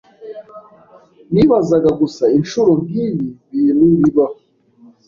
Nibazaga gusa inshuro nkibi bintu bibaho.